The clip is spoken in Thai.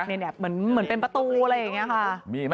เหมือนเป็นประตูอะไรอย่างนี้ค่ะ